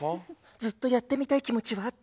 ずっとやってみたい気持ちはあったんです。